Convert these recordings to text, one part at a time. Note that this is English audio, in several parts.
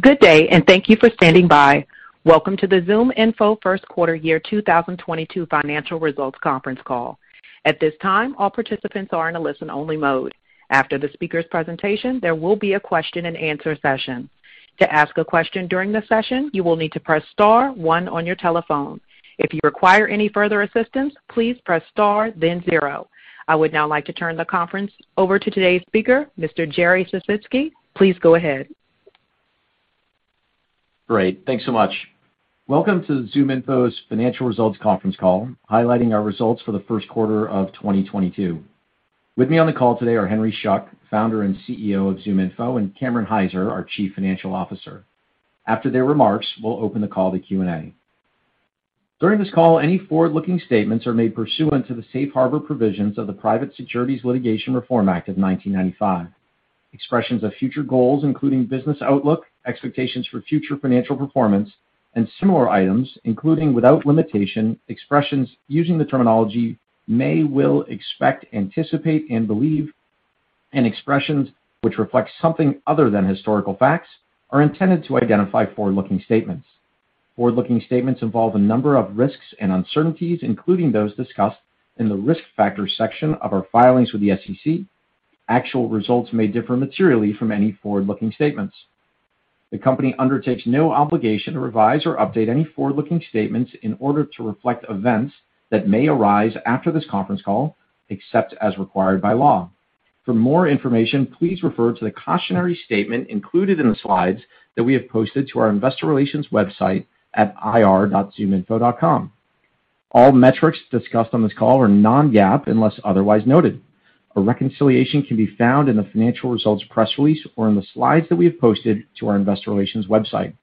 Good day, and thank you for standing by. Welcome to the ZoomInfo First Quarter 2022 financial results conference call. At this time, all participants are in a listen-only mode. After the speaker's presentation, there will be a question-and-answer session. To ask a question during the session, you will need to press star one on your telephone. If you require any further assistance, please press star then zero. I would now like to turn the conference over to today's speaker, Mr. Jerry Sisitsky. Please go ahead. Great. Thanks so much. Welcome to ZoomInfo's financial results conference call, highlighting our results for the first quarter of 2022. With me on the call today are Henry Schuck, founder and CEO of ZoomInfo, and Cameron Hyzer, our Chief Financial Officer. After their remarks, we'll open the call to Q&A. During this call, any forward-looking statements are made pursuant to the Safe Harbor Provisions of the Private Securities Litigation Reform Act of 1995. Expressions of future goals, including business outlook, expectations for future financial performance, and similar items, including without limitation, expressions using the terminology may, will, expect, anticipate and believe, and expressions which reflect something other than historical facts, are intended to identify forward-looking statements. Forward-looking statements involve a number of risks and uncertainties, including those discussed in the Risk Factors section of our filings with the SEC. Actual results may differ materially from any forward-looking statements. The company undertakes no obligation to revise or update any forward-looking statements in order to reflect events that may arise after this conference call, except as required by law. For more information, please refer to the cautionary statement included in the slides that we have posted to our investor relations website at ir.zoominfo.com. All metrics discussed on this call are non-GAAP, unless otherwise noted. A reconciliation can be found in the financial results press release or in the slides that we have posted to our investor relations website.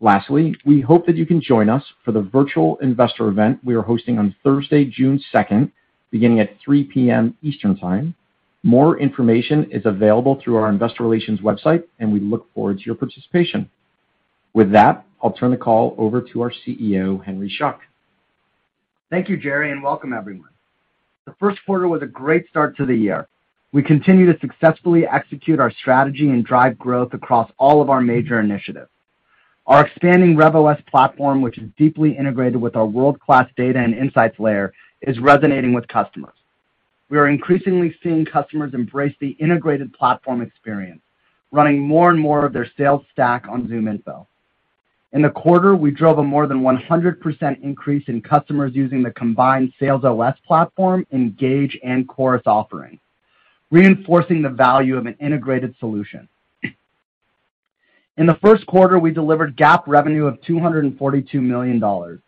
Lastly, we hope that you can join us for the virtual investor event we are hosting on Thursday, June 2, beginning at 3:00 P.M. Eastern Time. More information is available through our investor relations website, and we look forward to your participation. With that, I'll turn the call over to our CEO, Henry Schuck. Thank you, Jerry, and welcome everyone. The first quarter was a great start to the year. We continue to successfully execute our strategy and drive growth across all of our major initiatives. Our expanding RevOS platform, which is deeply integrated with our world-class data and insights layer, is resonating with customers. We are increasingly seeing customers embrace the integrated platform experience, running more and more of their sales stack on ZoomInfo. In the quarter, we drove a more than 100% increase in customers using the combined SalesOS platform, Engage and Chorus offering, reinforcing the value of an integrated solution. In the first quarter, we delivered GAAP revenue of $242 million,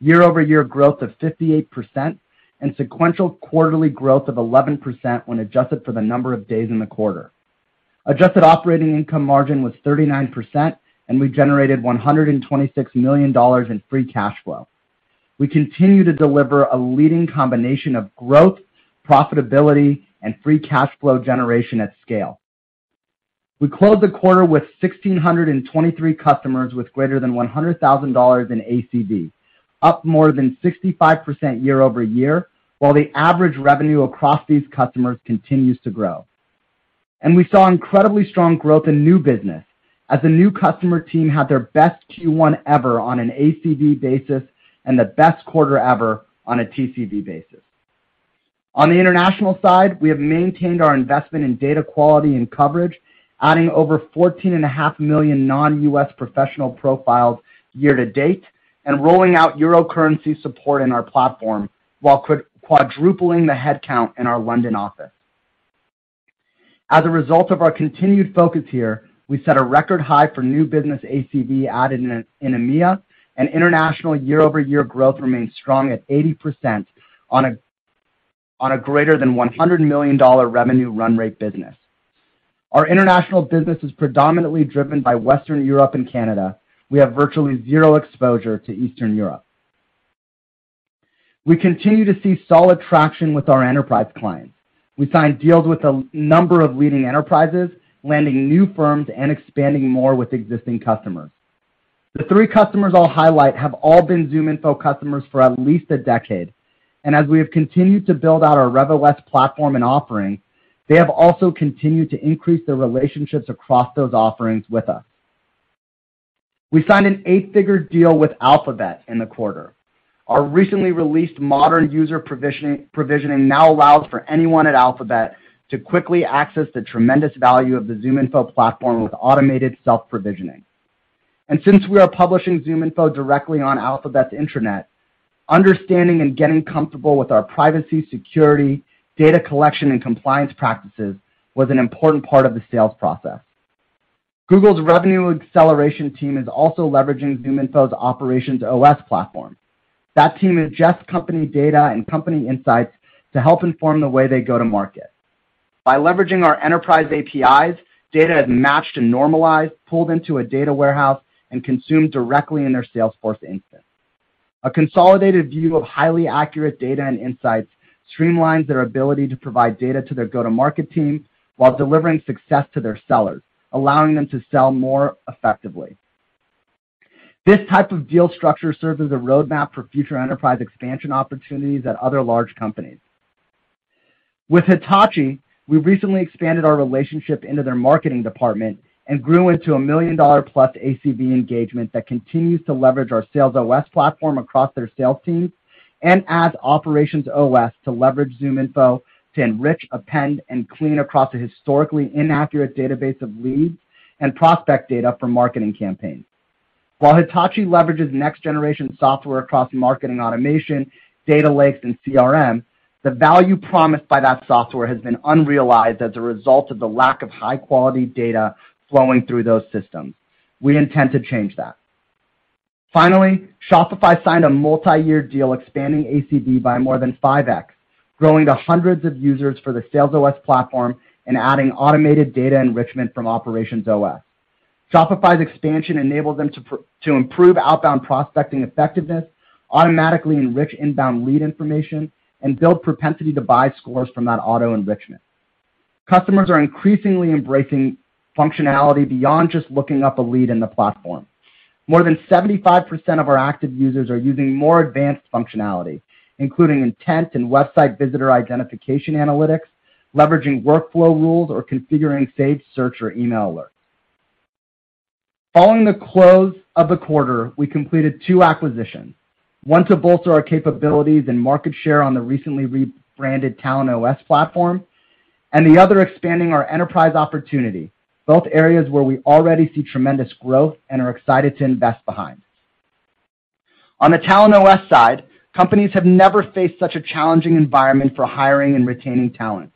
year-over-year growth of 58%, and sequential quarterly growth of 11% when adjusted for the number of days in the quarter. Adjusted operating income margin was 39%, and we generated $126 million in free cash flow. We continue to deliver a leading combination of growth, profitability, and free cash flow generation at scale. We closed the quarter with 1,623 customers with greater than $100,000 in ACV, up more than 65% year-over-year, while the average revenue across these customers continues to grow. We saw incredibly strong growth in new business as the new customer team had their best Q1 ever on an ACV basis and the best quarter ever on a TCV basis. On the international side, we have maintained our investment in data quality and coverage, adding over 14.5 million non-US professional profiles year to date and rolling out Euro currency support in our platform, while quad-quadrupling the headcount in our London office. As a result of our continued focus here, we set a record high for new business ACV added in EMEA, and international year-over-year growth remains strong at 80% on a greater than $100 million revenue run rate business. Our international business is predominantly driven by Western Europe and Canada. We have virtually zero exposure to Eastern Europe. We continue to see solid traction with our enterprise clients. We signed deals with a large number of leading enterprises, landing new firms and expanding more with existing customers. The three customers I'll highlight have all been ZoomInfo customers for at least a decade. As we have continued to build out our RevOS platform and offering, they have also continued to increase their relationships across those offerings with us. We signed an eight-figure deal with Alphabet in the quarter. Our recently released modern user provisioning now allows for anyone at Alphabet to quickly access the tremendous value of the ZoomInfo platform with automated self-provisioning. Since we are publishing ZoomInfo directly on Alphabet's intranet, understanding and getting comfortable with our privacy, security, data collection, and compliance practices was an important part of the sales process. Google's revenue acceleration team is also leveraging ZoomInfo's OperationsOS platform. That team adjusts company data and company insights to help inform the way they go to market. By leveraging our enterprise APIs, data is matched and normalized, pulled into a data warehouse, and consumed directly in their Salesforce instance. A consolidated view of highly accurate data and insights streamlines their ability to provide data to their go-to-market team while delivering success to their sellers, allowing them to sell more effectively. This type of deal structure serves as a roadmap for future enterprise expansion opportunities at other large companies. With Hitachi, we recently expanded our relationship into their marketing department and grew it to a million dollar plus ACV engagement that continues to leverage our SalesOS platform across their sales teams and adds OperationsOS to leverage ZoomInfo to enrich, append, and clean across a historically inaccurate database of leads and prospect data for marketing campaigns. While Hitachi leverages next-generation software across marketing automation, data lakes, and CRM, the value promised by that software has been unrealized as a result of the lack of high-quality data flowing through those systems. We intend to change that. Finally, Shopify signed a multi-year deal expanding ACV by more than 5x, growing to hundreds of users for their SalesOS platform and adding automated data enrichment from OperationsOS. Shopify's expansion enables them to to improve outbound prospecting effectiveness, automatically enrich inbound lead information, and build propensity to buy scores from that auto-enrichment. Customers are increasingly embracing functionality beyond just looking up a lead in the platform. More than 75% of our active users are using more advanced functionality, including intent and website visitor identification analytics, leveraging workflow rules, or configuring saved search or email alerts. Following the close of the quarter, we completed two acquisitions, one to bolster our capabilities and market share on the recently rebranded TalentOS platform, and the other expanding our enterprise opportunity, both areas where we already see tremendous growth and are excited to invest behind. On the TalentOS side, companies have never faced such a challenging environment for hiring and retaining talent.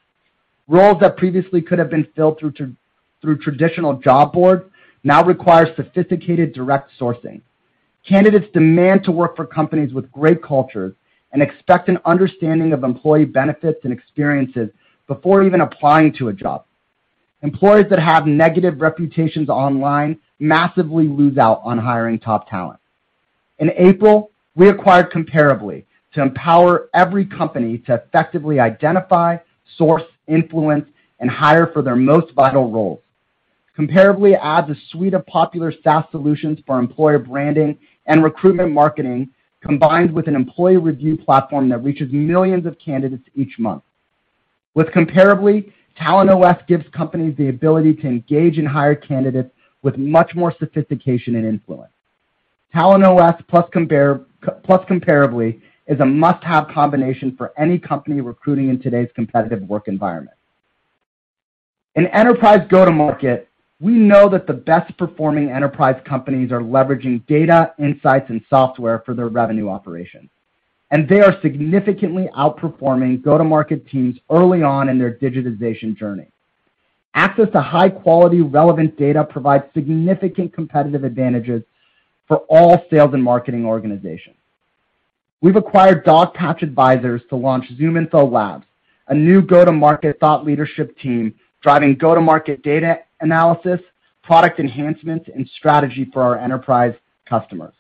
Roles that previously could have been filled through traditional job boards now require sophisticated direct sourcing. Candidates demand to work for companies with great cultures and expect an understanding of employee benefits and experiences before even applying to a job. Employers that have negative reputations online massively lose out on hiring top talent. In April, we acquired Comparably to empower every company to effectively identify, source, influence, and hire for their most vital roles. Comparably adds a suite of popular SaaS solutions for employer branding and recruitment marketing, combined with an employee review platform that reaches millions of candidates each month. With Comparably, TalentOS gives companies the ability to engage and hire candidates with much more sophistication and influence. TalentOS plus Comparably. Comparably is a must-have combination for any company recruiting in today's competitive work environment. In enterprise go-to-market, we know that the best-performing enterprise companies are leveraging data, insights, and software for their revenue operations, and they are significantly outperforming go-to-market teams early on in their digitization journey. Access to high-quality, relevant data provides significant competitive advantages for all sales and marketing organizations. We've acquired Dogpatch Advisors to launch ZoomInfo Labs, a new go-to-market thought leadership team driving go-to-market data analysis, product enhancements, and strategy for our enterprise customers.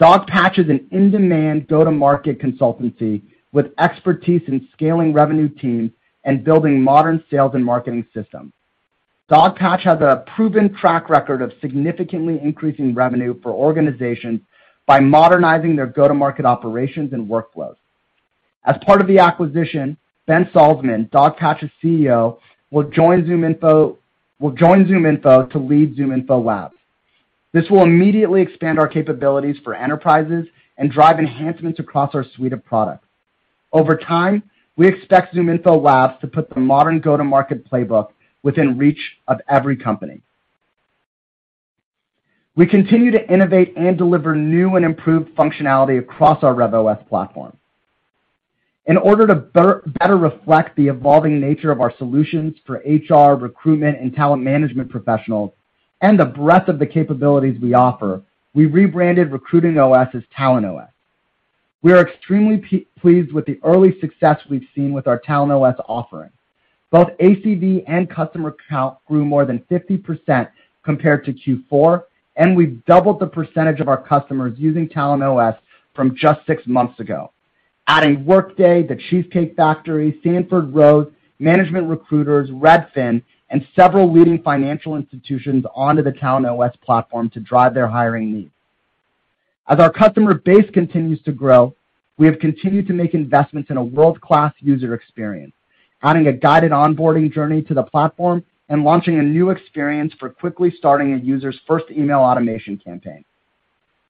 Dogpatch is an in-demand go-to-market consultancy with expertise in scaling revenue teams and building modern sales and marketing systems. Dogpatch has a proven track record of significantly increasing revenue for organizations by modernizing their go-to-market operations and workflows. As part of the acquisition, Ben Salzman, Dogpatch's CEO, will join ZoomInfo to lead ZoomInfo Labs. This will immediately expand our capabilities for enterprises and drive enhancements across our suite of products. Over time, we expect ZoomInfo Labs to put the modern go-to-market playbook within reach of every company. We continue to innovate and deliver new and improved functionality across our RevOS platform. In order to better reflect the evolving nature of our solutions for HR, recruitment, and talent management professionals and the breadth of the capabilities we offer, we rebranded RecruitingOS as TalentOS. We are extremely pleased with the early success we've seen with our TalentOS offering. Both ACV and customer count grew more than 50% compared to Q4, and we've doubled the percentage of our customers using TalentOS from just six months ago, adding Workday, The Cheesecake Factory, Sanford Rose Associates, Management Recruiters International, Redfin, and several leading financial institutions onto the TalentOS platform to drive their hiring needs. As our customer base continues to grow, we have continued to make investments in a world-class user experience, adding a guided onboarding journey to the platform and launching a new experience for quickly starting a user's first email automation campaign.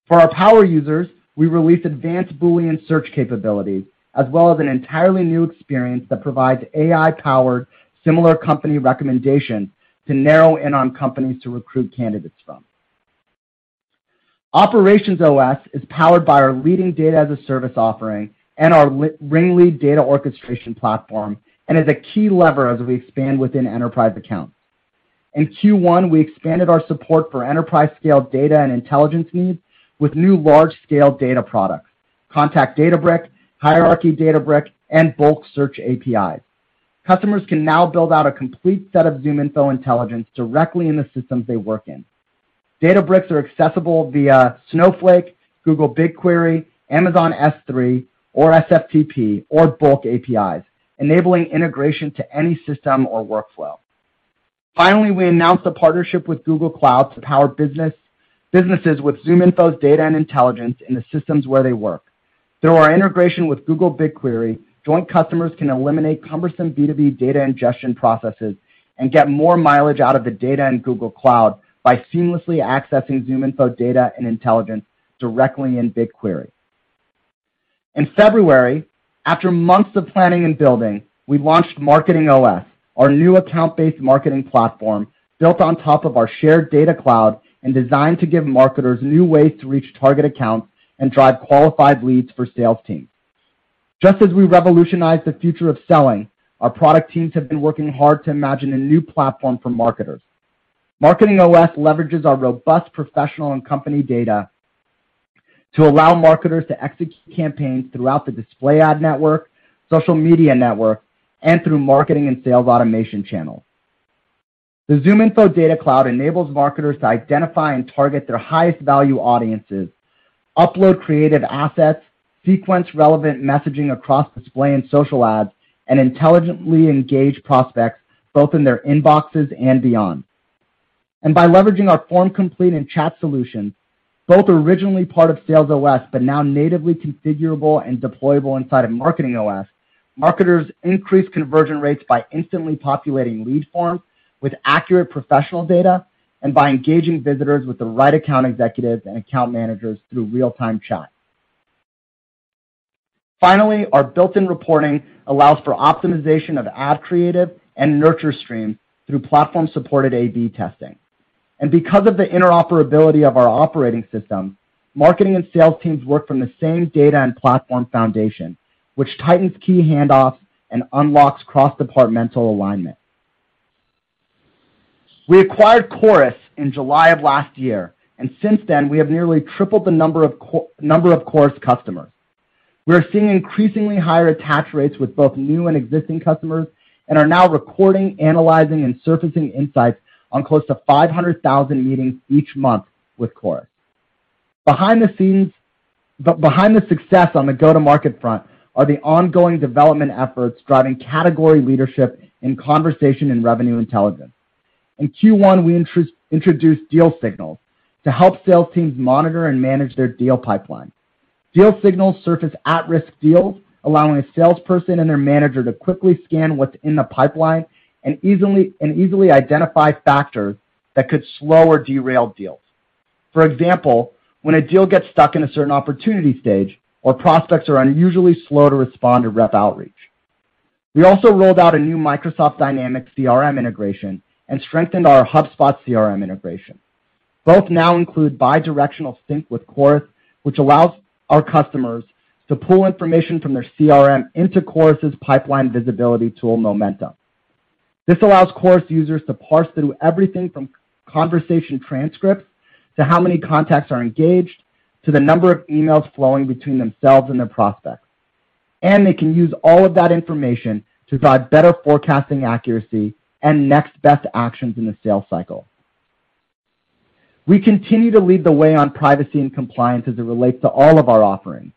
For our power users, we released advanced Boolean search capability as well as an entirely new experience that provides AI-powered similar company recommendations to narrow in on companies to recruit candidates from. OperationsOS is powered by our leading data-as-a-service offering and our RingLead data orchestration platform and is a key lever as we expand within enterprise accounts. In Q1, we expanded our support for enterprise-scale data and intelligence needs with new large-scale data products, contact data brick, hierarchy data brick, and bulk search APIs. Customers can now build out a complete set of ZoomInfo intelligence directly in the systems they work in. Data bricks are accessible via Snowflake, Google BigQuery, Amazon S3 or SFTP or bulk APIs, enabling integration to any system or workflow. Finally, we announced a partnership with Google Cloud to power businesses with ZoomInfo's data and intelligence in the systems where they work. Through our integration with Google BigQuery, joint customers can eliminate cumbersome B2B data ingestion processes and get more mileage out of the data in Google Cloud by seamlessly accessing ZoomInfo data and intelligence directly in BigQuery. In February, after months of planning and building, we launched MarketingOS, our new account-based marketing platform built on top of our shared data cloud and designed to give marketers new ways to reach target accounts and drive qualified leads for sales teams. Just as we revolutionized the future of selling, our product teams have been working hard to imagine a new platform for marketers. MarketingOS leverages our robust professional and company data to allow marketers to execute campaigns throughout the display ad network, social media network, and through marketing and sales automation channels. The ZoomInfo data cloud enables marketers to identify and target their highest value audiences, upload creative assets, sequence relevant messaging across display and social ads, and intelligently engage prospects both in their inboxes and beyond. By leveraging our FormComplete and Chat solutions, both originally part of SalesOS but now natively configurable and deployable inside of MarketingOS, marketers increase conversion rates by instantly populating lead forms with accurate professional data and by engaging visitors with the right account executives and account managers through real-time chat. Finally, our built-in reporting allows for optimization of ad creative and nurture stream through platform-supported A/B testing. Because of the interoperability of our operating system, marketing and sales teams work from the same data and platform foundation, which tightens key handoffs and unlocks cross-departmental alignment. We acquired Chorus in July of last year, and since then, we have nearly tripled the number of Chorus customers. We are seeing increasingly higher attach rates with both new and existing customers, and are now recording, analyzing, and surfacing insights on close to 500,000 meetings each month with Chorus. Behind the scenes, behind the success on the go-to-market front are the ongoing development efforts driving category leadership in conversation and revenue intelligence. In Q1, we introduced Deal Signals to help sales teams monitor and manage their deal pipeline. Deal Signals surface at-risk deals, allowing a salesperson and their manager to quickly scan what's in the pipeline and easily identify factors that could slow or derail deals. For example, when a deal gets stuck in a certain opportunity stage or prospects are unusually slow to respond to rep outreach. We also rolled out a new Microsoft Dynamics CRM integration and strengthened our HubSpot CRM integration. Both now include bidirectional sync with Chorus, which allows our customers to pull information from their CRM into Chorus' pipeline visibility tool, Momentum. This allows Chorus users to parse through everything from conversation transcripts to how many contacts are engaged to the number of emails flowing between themselves and their prospects. They can use all of that information to drive better forecasting accuracy and next best actions in the sales cycle. We continue to lead the way on privacy and compliance as it relates to all of our offerings.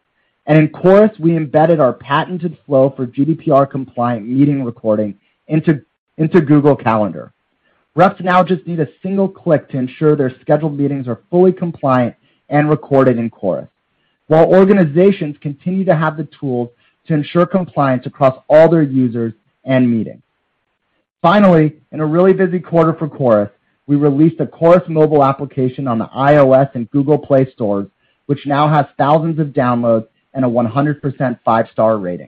In Chorus, we embedded our patented flow for GDPR compliant meeting recording into Google Calendar. Reps now just need a single click to ensure their scheduled meetings are fully compliant and recorded in Chorus, while organizations continue to have the tools to ensure compliance across all their users and meetings. Finally, in a really busy quarter for Chorus, we released a Chorus mobile application on the iOS and Google Play stores, which now has thousands of downloads and a 100% five-star rating.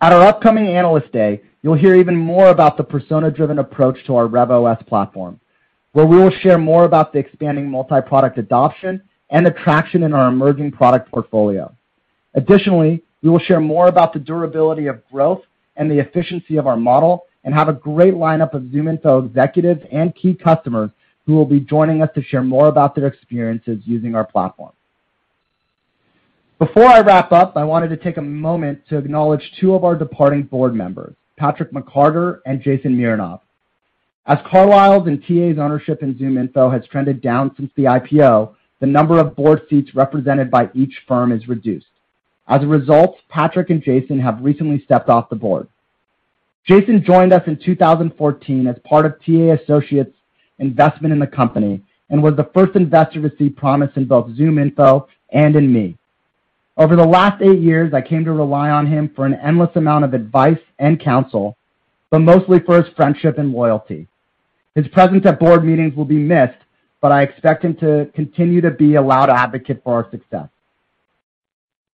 At our upcoming Analyst Day, you'll hear even more about the persona-driven approach to our RevOS platform, where we will share more about the expanding multi-product adoption and attraction in our emerging product portfolio. Additionally, we will share more about the durability of growth and the efficiency of our model, and have a great lineup of ZoomInfo executives and key customers who will be joining us to share more about their experiences using our platform. Before I wrap up, I wanted to take a moment to acknowledge two of our departing board members, Patrick McCarter and Jason Mironov. As Carlyle's and TA's ownership in ZoomInfo has trended down since the IPO, the number of board seats represented by each firm is reduced. As a result, Patrick and Jason have recently stepped off the board. Jason joined us in 2014 as part of TA Associates' investment in the company, and was the first investor to see promise in both ZoomInfo and in me. Over the last eight years, I came to rely on him for an endless amount of advice and counsel, but mostly for his friendship and loyalty. His presence at board meetings will be missed, but I expect him to continue to be a loud advocate for our success.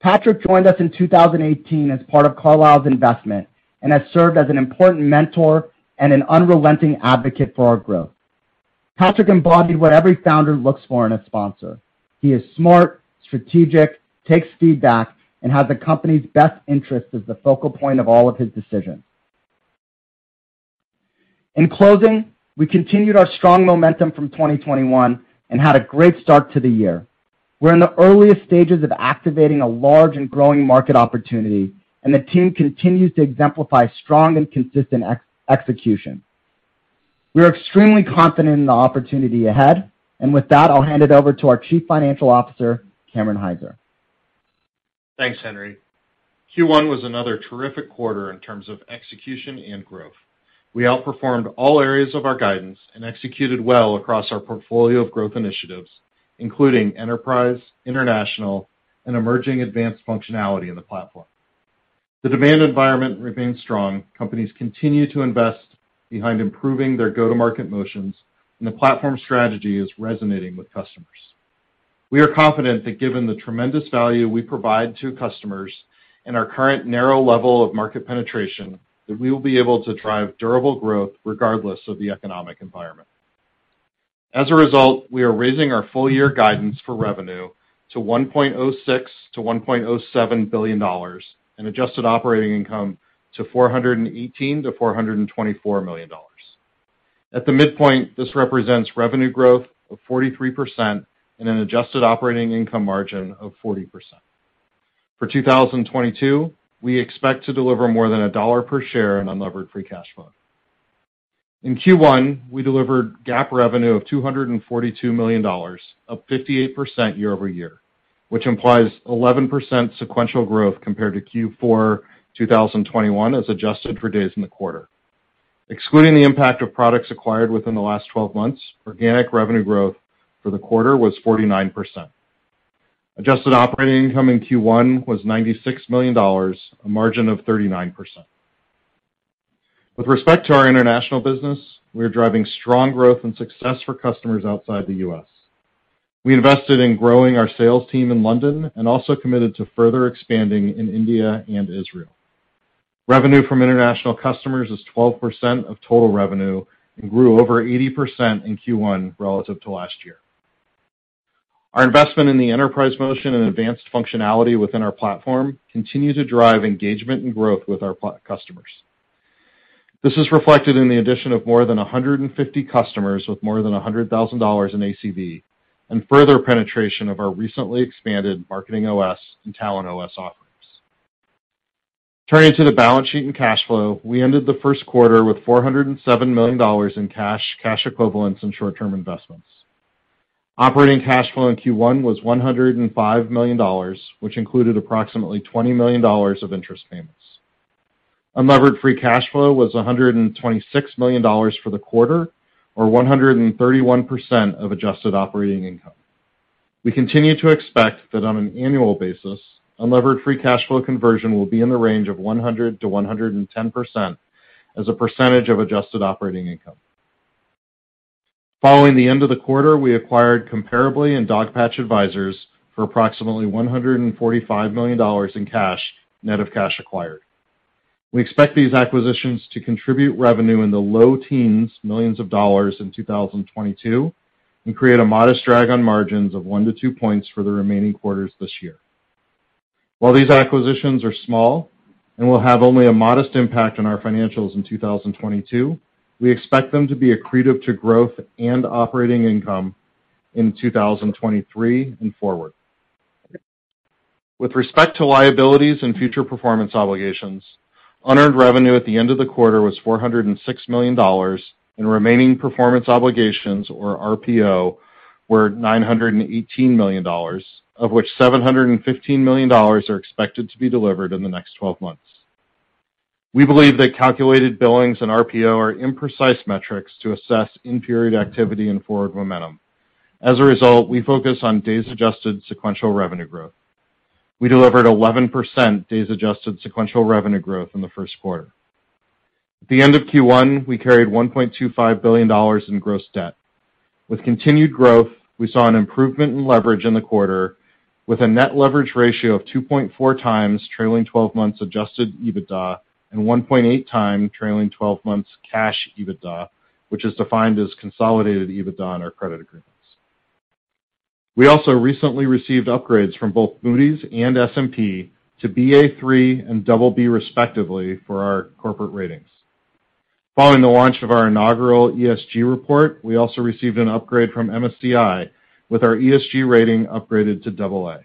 Patrick joined us in 2018 as part of Carlyle's investment, and has served as an important mentor and an unrelenting advocate for our growth. Patrick embodied what every founder looks for in a sponsor. He is smart, strategic, takes feedback, and has the company's best interest as the focal point of all of his decisions. In closing, we continued our strong momentum from 2021 and had a great start to the year. We're in the earliest stages of activating a large and growing market opportunity, and the team continues to exemplify strong and consistent execution. We are extremely confident in the opportunity ahead. With that, I'll hand it over to our Chief Financial Officer, Cameron Hyzer. Thanks, Henry. Q1 was another terrific quarter in terms of execution and growth. We outperformed all areas of our guidance and executed well across our portfolio of growth initiatives, including enterprise, international, and emerging advanced functionality in the platform. The demand environment remains strong. Companies continue to invest behind improving their go-to-market motions, and the platform strategy is resonating with customers. We are confident that given the tremendous value we provide to customers and our current narrow level of market penetration, that we will be able to drive durable growth regardless of the economic environment. As a result, we are raising our full-year guidance for revenue to $1.06 billion to $1.07 billion, and adjusted operating income to $418 million to $424 million. At the mid-point, this represents revenue growth of 43% and an adjusted operating income margin of 40%. For 2022, we expect to deliver more than $1 per share in unlevered free cash flow. In Q1, we delivered GAAP revenue of $242 million, up 58% year-over-year, which implies 11% sequential growth compared to Q4 2021 as adjusted for days in the quarter. Excluding the impact of products acquired within the last twelve months, organic revenue growth for the quarter was 49%. Adjusted operating income in Q1 was $96 million, a margin of 39%. With respect to our international business, we are driving strong growth and success for customers outside The U.S. We invested in growing our sales team in London and also committed to further expanding in India and Israel. Revenue from international customers is 12% of total revenue and grew over 80% in Q1 relative to last year. Our investment in the enterprise motion and advanced functionality within our platform continue to drive engagement and growth with our platform customers. This is reflected in the addition of more than 150 customers with more than $100,000 in ACV and further penetration of our recently expanded MarketingOS and TalentOS offerings. Turning to the balance sheet and cash flow, we ended the first quarter with $407 million in cash equivalents, and short-term investments. Operating cash flow in Q1 was $105 million, which included approximately $20 million of interest payments. Unlevered free cash flow was $126 million for the quarter, or 131% of adjusted operating income. We continue to expect that on an annual basis, unlevered free cash flow conversion will be in the range of 100%-110% as a percentage of adjusted operating income. Following the end of the quarter, we acquired Comparably and Dogpatch Advisors for approximately $145 million in cash, net of cash acquired. We expect these acquisitions to contribute revenue in the low teens millions of dollars in 2022 and create a modest drag on margins of one to two points for the remaining quarters this year. While these acquisitions are small and will have only a modest impact on our financials in 2022, we expect them to be accretive to growth and operating income in 2023 and forward. With respect to liabilities and future performance obligations, unearned revenue at the end of the quarter was $406 million, and remaining performance obligations, or RPO, were $918 million, of which $715 million are expected to be delivered in the next 12 months. We believe that calculated billings and RPO are imprecise metrics to assess in-period activity and forward momentum. As a result, we focus on days-adjusted sequential revenue growth. We delivered 11% days-adjusted sequential revenue growth in the first quarter. At the end of Q1, we carried $1.25 billion in gross debt. With continued growth, we saw an improvement in leverage in the quarter with a net leverage ratio of 2.4x trailing 12 months adjusted EBITDA and 1.8x trailing 12 months cash EBITDA, which is defined as consolidated EBITDA on our credit agreements. We also recently received upgrades from both Moody's and S&P to Ba3 and BB respectively for our corporate ratings. Following the launch of our inaugural ESG report, we also received an upgrade from MSCI, with our ESG rating upgraded to AA.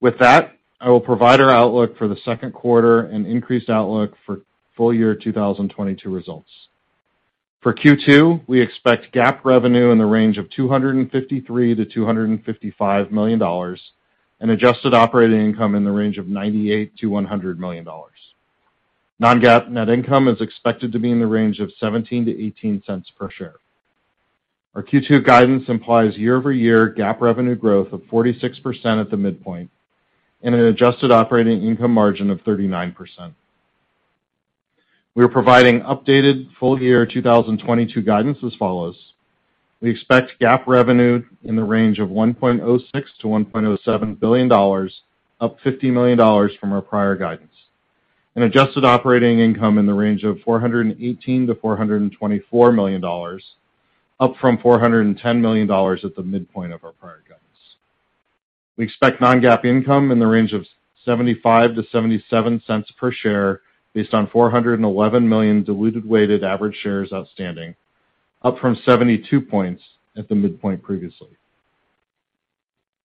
With that, I will provide our outlook for the second quarter and increased outlook for full-year 2022 results. For Q2, we expect GAAP revenue in the range of $253 million-$255 million and adjusted operating income in the range of $98 million-$100 million. Non-GAAP net income is expected to be in the range of $0.17-$0.18 per share. Our Q2 guidance implies year-over-year GAAP revenue growth of 46% at the midpoint and an adjusted operating income margin of 39%. We are providing updated full-year 2022 guidance as follows. We expect GAAP revenue in the range of $1.06 billion-$1.07 billion, up $50 million from our prior guidance, and adjusted operating income in the range of $418 million-$424 million, up from $410 million at the mid-point of our prior guidance. We expect non-GAAP income in the range of $0.75-$0.77 per share based on 411 million diluted weighted average shares outstanding, up from $0.72 at the mid-point previously.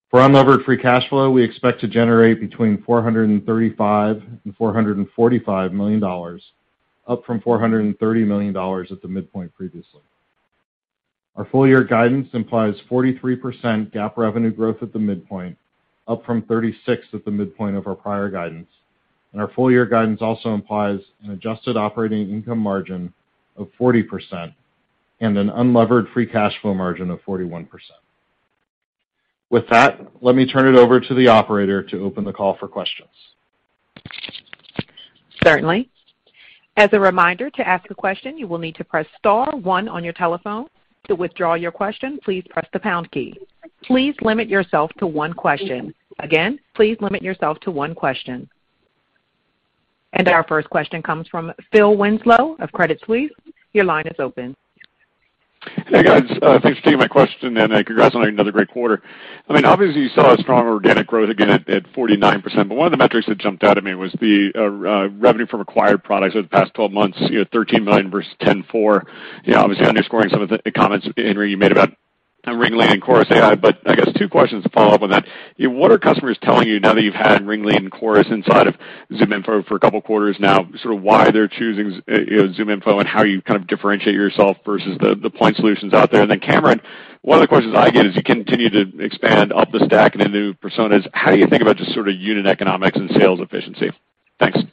For unlevered free cash flow, we expect to generate between $435 million and $445 million, up from $430 million at the midpoint previously. Our full-year guidance implies 43% GAAP revenue growth at the mid-point, up from 36% at the midpoint of our prior guidance. Our full-year guidance also implies an adjusted operating income margin of 40% and an unlevered free cash flow margin of 41%. With that, let me turn it over to the operator to open the call for questions. Certainly. As a reminder, to ask a question, you will need to press star one on your telephone. To withdraw your question, please press the pound key. Please limit yourself to one question. Again, please limit yourself to one question. Our first question comes from Phil Winslow of Credit Suisse. Your line is open. Hey, guys. Thanks for taking my question, and, congrats on another great quarter. I mean, obviously, you saw a strong organic growth again at 49%, but one of the metrics that jumped out at me was the revenue for acquired products over the past 12 months, you know, $13 million versus $10.4 million. You know, obviously underscoring some of the comments, Henry, you made about RingLead and Chorus.ai. I guess two questions to follow up on that. What are customers telling you now that you've had RingLead and Chorus inside of ZoomInfo for a couple of quarters now, sort of why they're choosing, you know, ZoomInfo and how you kind of differentiate yourself versus the point solutions out there? And then, Cameron, one of the questions I get is you continue to expand up the stack into new personas. How do you think about just sort of unit economics and sales efficiency? Thanks. Thanks,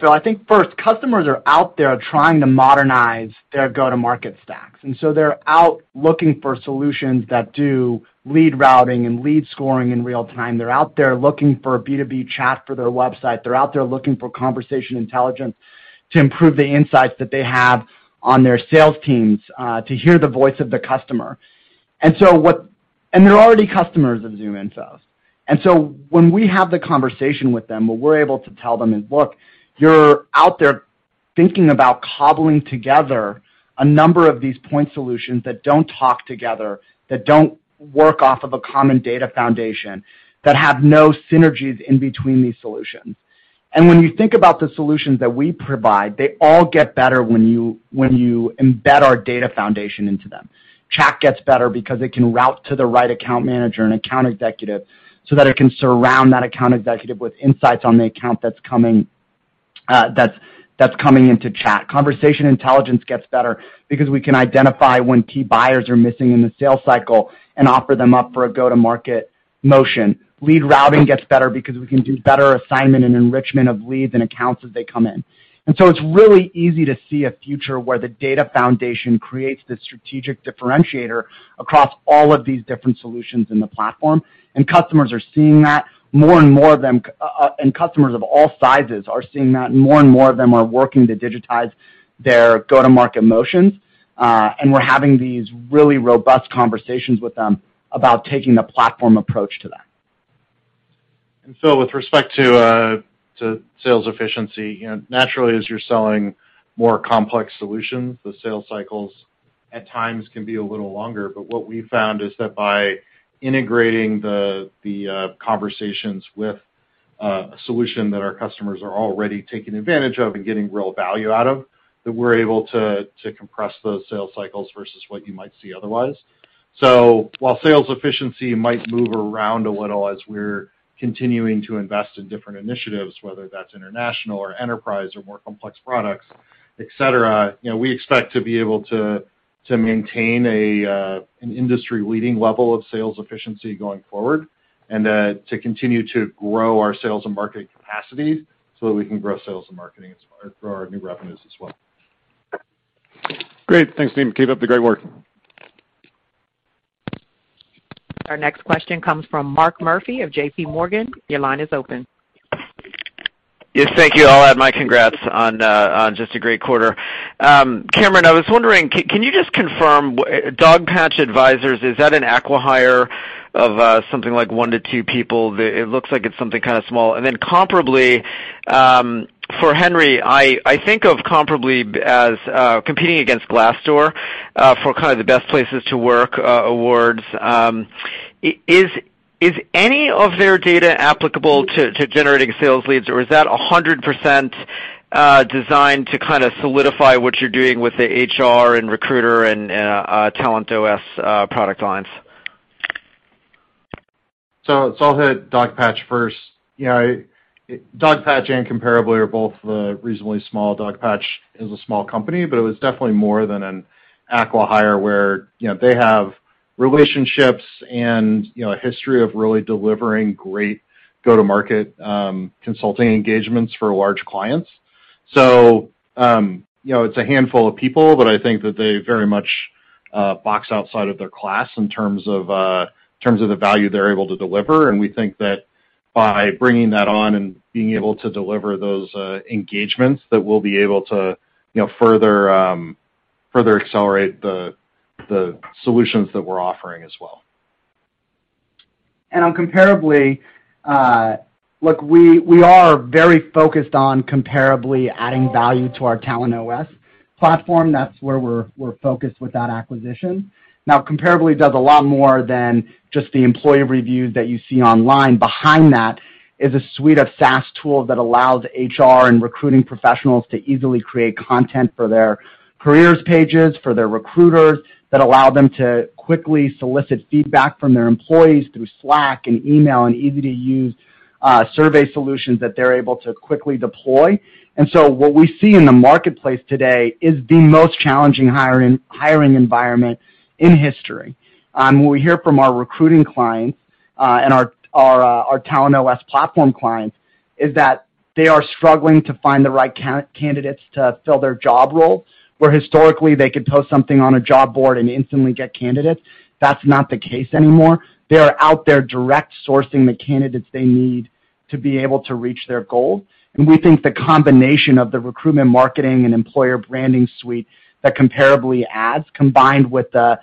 Phil. I think first, customers are out there trying to modernize their go-to-market stacks, and so they're out looking for solutions that do lead routing and lead scoring in real time. They're out there looking for B2B chat for their website. They're out there looking for conversation intelligence to improve the insights that they have on their sales teams, to hear the voice of the customer. They're already customers of ZoomInfo. When we have the conversation with them, what we're able to tell them is, "Look, you're out there thinking about cobbling together a number of these point solutions that don't talk together, that don't work off of a common data foundation, that have no synergies in between these solutions." When you think about the solutions that we provide, they all get better when you embed our data foundation into them. Chat gets better because it can route to the right account manager and account executive, so that it can surround that account executive with insights on the account that's coming into chat. Conversation intelligence gets better because we can identify when key buyers are missing in the sales cycle and offer them up for a go-to-market motion. Lead routing gets better because we can do better assignment and enrichment of leads and accounts as they come in. It's really easy to see a future where the data foundation creates the strategic differentiator across all of these different solutions in the platform, and customers are seeing that. More and more of them and customers of all sizes are seeing that, and more and more of them are working to digitize their go-to-market motions, and we're having these really robust conversations with them about taking a platform approach to that. With respect to sales efficiency, you know, naturally, as you're selling more complex solutions, the sales cycles at times can be a little longer. What we found is that by integrating the conversations with a solution that our customers are already taking advantage of and getting real value out of, that we're able to compress those sales cycles versus what you might see otherwise. While sales efficiency might move around a little as we're continuing to invest in different initiatives, whether that's international or enterprise or more complex products, et cetera, you know, we expect to be able to maintain an industry-leading level of sales efficiency going forward and to continue to grow our sales and marketing capacities so that we can grow sales and marketing or our new revenues as well. Great. Thanks, team. Keep up the great work. Our next question comes from Mark Murphy of JP Morgan. Your line is open. Yes, thank you. I'll add my congrats on just a great quarter. Cameron, I was wondering, can you just confirm, Dogpatch Advisors, is that an acquihire of something like one to two people? It looks like it's something kinda small. Comparably, for Henry, I think of Comparably as competing against Glassdoor for kind of the best places to work awards. Is any of their data applicable to generating sales leads, or is that 100% designed to kinda solidify what you're doing with the HR and recruiter and TalentOS product lines? I'll hit Dogpatch first. You know, Dogpatch and Comparably are both reasonably small. Dogpatch is a small company, but it was definitely more than an acquihire where, you know, they have relationships and, you know, a history of really delivering great go-to-market consulting engagements for large clients. You know, it's a handful of people, but I think that they very much box outside of their class in terms of the value they're able to deliver. We think that by bringing that on and being able to deliver those engagements, that we'll be able to, you know, further accelerate the solutions that we're offering as well. On Comparably, look, we are very focused on Comparably adding value to our TalentOS platform. That's where we're focused with that acquisition. Now, Comparably does a lot more than just the employee reviews that you see online. Behind that is a suite of SaaS tools that allows HR and recruiting professionals to easily create content for their careers pages, for their recruiters, that allow them to quickly solicit feedback from their employees through Slack and email and easy-to-use survey solutions that they're able to quickly deploy. What we see in the marketplace today is the most challenging hiring environment in history. What we hear from our recruiting clients and our TalentOS platform clients is that they are struggling to find the right candidates to fill their job role, where historically they could post something on a job board and instantly get candidates. That's not the case anymore. They are out there direct sourcing the candidates they need to be able to reach their goal. We think the combination of the recruitment marketing and employer branding suite that Comparably adds, combined with the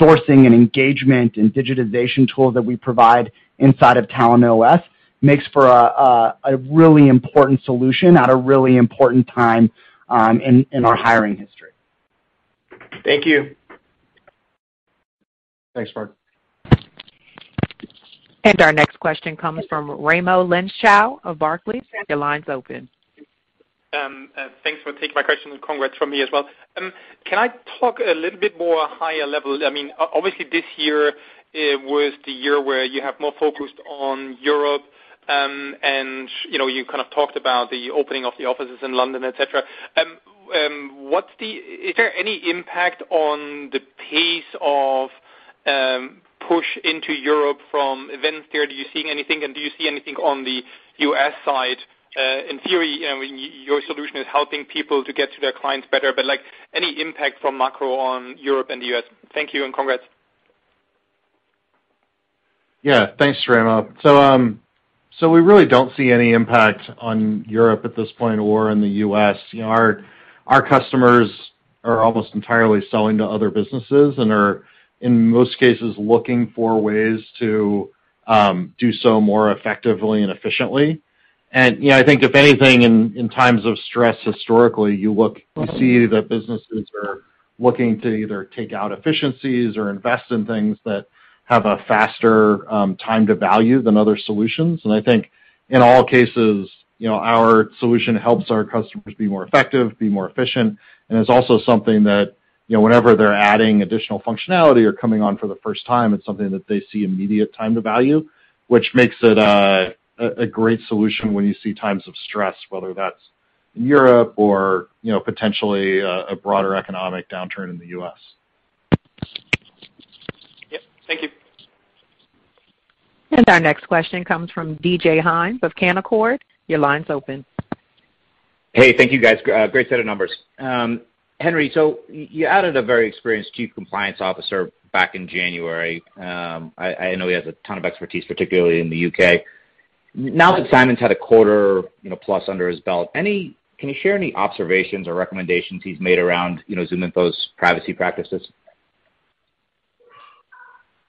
sourcing and engagement and digitization tools that we provide inside of TalentOS, makes for a really important solution at a really important time in our hiring history. Thank you. Thanks, Mark. Our next question comes from Raimo Lenschow of Barclays. Your line's open. Thanks for taking my question, and congrats from me as well. Can I talk a little bit more higher level? I mean, obviously this year was the year where you have more focused on Europe, and, you know, you kind of talked about the opening of the offices in London, et cetera. Is there any impact on the pace of push into Europe from events there? Do you see anything? And do you see anything on The U.S. side? In theory, you know, your solution is helping people to get to their clients better, but, like, any impact from macro on Europe and The U.S.? Thank you, and congrats. Yeah. Thanks, Raimo. We really don't see any impact on Europe at this point or in The U.S. You know, our customers are almost entirely selling to other businesses and are, in most cases, looking for ways to do so more effectively and efficiently. You know, I think if anything, in times of stress historically, you see that businesses are looking to either take out efficiencies or invest in things that have a faster time to value than other solutions. I think in all cases, you know, our solution helps our customers be more effective, be more efficient, and it's also something that, you know, whenever they're adding additional functionality or coming on for the first time, it's something that they see immediate time to value, which makes it a great solution when you see times of stress, whether that's Europe or, you know, potentially a broader economic downturn in The U.S. Yep. Thank you. Our next question comes from DJ Hynes of Canaccord. Your line's open. Hey, thank you guys. Great set of numbers. Henry, so you added a very experienced chief compliance officer back in January. I know he has a ton of expertise, particularly in The U.K. Now that Simon's had a quarter, you know, plus under his belt, can you share any observations or recommendations he's made around, you know, ZoomInfo's privacy practices?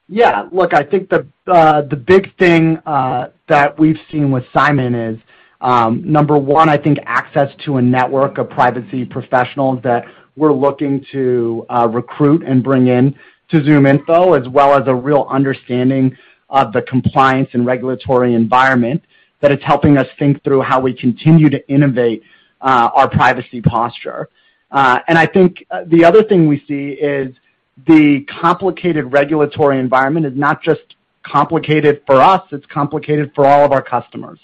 Yeah. Look, I think the big thing that we've seen with Simon is number one, I think access to a network of privacy professionals that we're looking to recruit and bring in to ZoomInfo, as well as a real understanding of the compliance and regulatory environment, that it's helping us think through how we continue to innovate our privacy posture. I think the other thing we see is the complicated regulatory environment is not just complicated for us, it's complicated for all of our customers.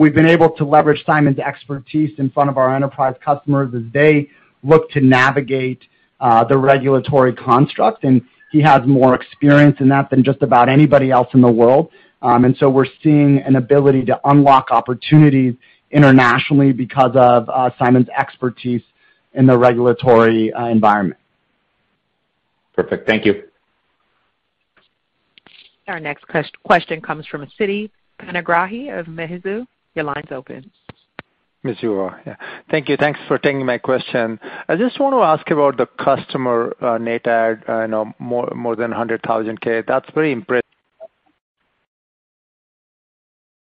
We've been able to leverage Simon's expertise in front of our enterprise customers as they look to navigate the regulatory construct. He has more experience in that than just about anybody else in the world. We're seeing an ability to unlock opportunities internationally because of Simon's expertise in the regulatory environment. Perfect. Thank you. Our next question comes from Siti Panigrahi of Mizuho. Your line's open. Mizuho, yeah. Thank you. Thanks for taking my question. I just want to ask about the customer net add. I know more than 100,000. That's very impressive.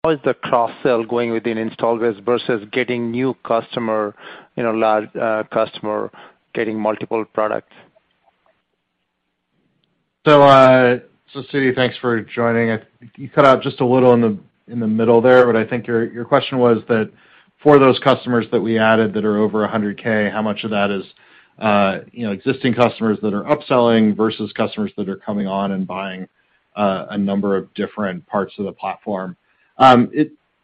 How is the cross-sell going within installed base versus getting new customer, you know, large customer getting multiple products? Siti, thanks for joining. You cut out just a little in the middle there, but I think your question was that for those customers that we added that are over $100,000 how much of that is, you know, existing customers that are upselling versus customers that are coming on and buying a number of different parts of the platform?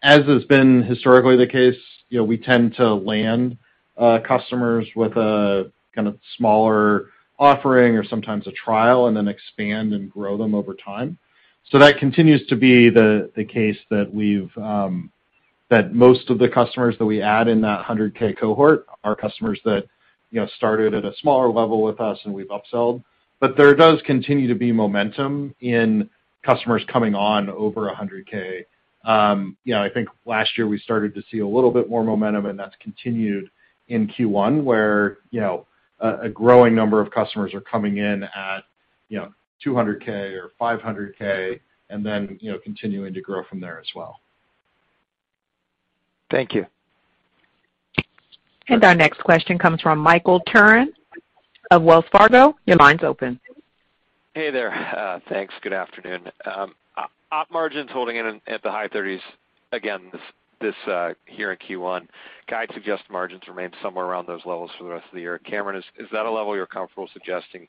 As has been historically the case, you know, we tend to land customers with a kinda smaller offering or sometimes a trial and then expand and grow them over time. That continues to be the case that most of the customers that we add in that $100,000 cohort are customers that, you know, started at a smaller level with us and we've upsold. There does continue to be momentum in customers coming on over 100,000. You know, I think last year we started to see a little bit more momentum, and that's continued in Q1 where, you know, a growing number of customers are coming in at, you know, 200,000 or 500,000 and then, you know, continuing to grow from there as well. Thank you. Our next question comes from Michael Turrin of Wells Fargo. Your line's open. Hey there. Thanks. Good afternoon. Op margins holding in at the high thirties again this here in Q1. Guide suggests margins remain somewhere around those levels for the rest of the year. Cameron, is that a level you're comfortable suggesting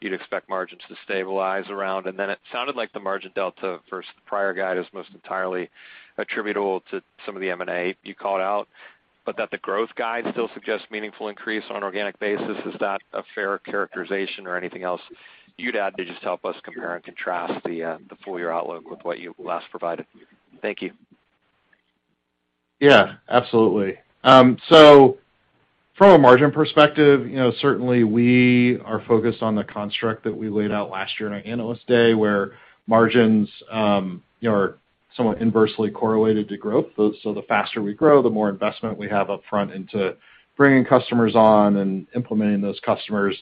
you'd expect margins to stabilize around? It sounded like the margin delta versus the prior guide is most entirely attributable to some of the M&A you called out, but that the growth guide still suggests meaningful increase on an organic basis. Is that a fair characterization or anything else you'd add to just help us compare and contrast the full-year outlook with what you last provided? Thank you. Yeah, absolutely. From a margin perspective, you know, certainly we are focused on the construct that we laid out last year in our Analyst Day, where margins, you know, are somewhat inversely correlated to growth. The faster we grow, the more investment we have upfront into bringing customers on and implementing those customers.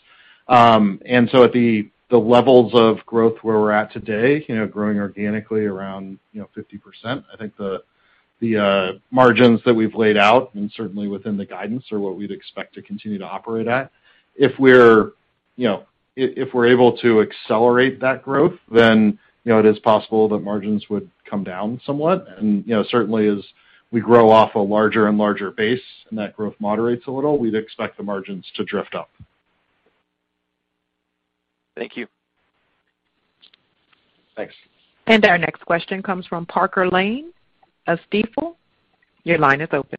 At the levels of growth where we're at today, you know, growing organically around 50%, I think the margins that we've laid out and certainly within the guidance are what we'd expect to continue to operate at. If we're, you know, if we're able to accelerate that growth, then, you know, it is possible that margins would come down somewhat. You know, certainly as we grow off a larger and larger base and that growth moderates a little, we'd expect the margins to drift up. Thank you. Thanks. Our next question comes from Parker Lane of Stifel. Your line is open.